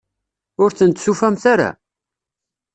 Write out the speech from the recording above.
Ur tent-tufamt ara?